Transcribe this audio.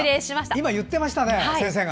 今、言ってましたね先生が。